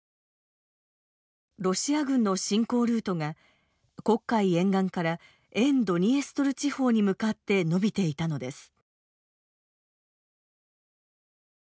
ロシア軍の侵攻ルートが黒海沿岸から沿ドニエストル地方に向かって伸びていたのです。